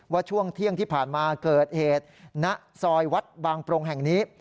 ช่วงเที่ยงที่ผ่านมาเกิดเหตุณซอยวัดบางปรงแห่งนี้